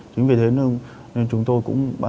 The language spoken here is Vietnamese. chính vì thế nên chúng tôi cũng